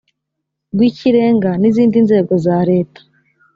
rw ikirenga n izindi nzego za leta